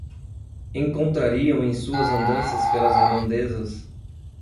Encontrariam em suas andanças pelas redondezas